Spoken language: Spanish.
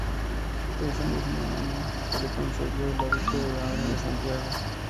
Ese mismo año, se le concedió el hábito de la Orden de Santiago.